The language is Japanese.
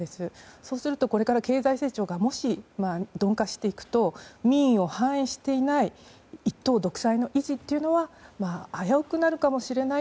そうすると、これから経済成長がもし鈍化していくと民意を反映していない一党独裁の維持というのは危うくなるかもしれない。